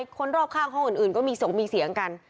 คนรอบข้างห้องอื่นก็มีส่งมีเสียงกัน